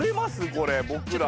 これ、僕ら。